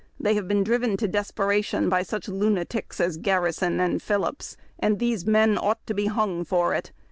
They have been driven to desperation by such lunatics as Garri son and Phillips, and these men ought to be hung for it."